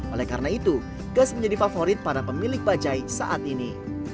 oleh karena itu gas menjadi favorit para pemilik bajaj saat ini